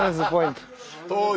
当時。